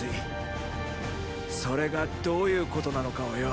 それがどういうことなのかをよ。